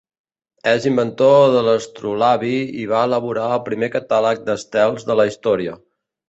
És inventor de l'astrolabi i va elaborar el primer catàleg d'estels de la història.